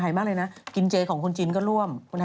เราล่าเริงได้ทุกเรา